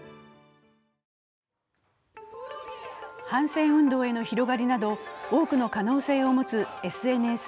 反戦運動への広がりなど多くの可能性を持つＳＮＳ。